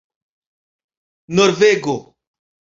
norvego